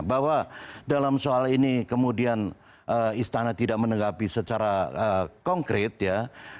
bahwa dalam soal ini kemudian istana tidak menegapi secara konkret ya